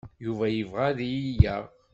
Yuba yebɣa ad iyi-yaɣ.